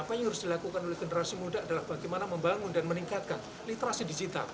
apa yang harus dilakukan oleh generasi muda adalah bagaimana membangun dan meningkatkan literasi digital